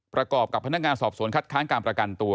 ประกอบกับพนักงานสอบสวนคัดค้างการประกันตัว